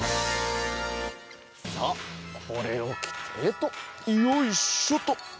さあこれをきてとよいしょと。